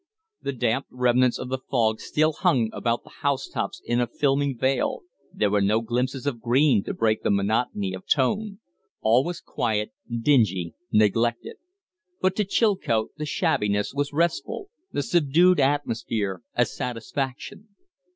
The damp remnants of the fog still hung about the house tops in a filmy veil; there were no glimpses of green to break the monotony of tone; all was quiet, dingy, neglected. But to Chilcote the shabbiness was restful, the subdued atmosphere a satisfaction.